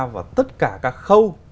vào tất cả các khâu